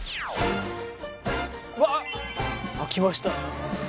うわっ！来ました！